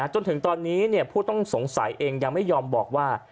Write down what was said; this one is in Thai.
จนถึงตอนนี้ผู้ต้องสงสัยเองยังไม่ยอมบอกว่า